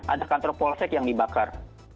ada kantor polsek yang dibakar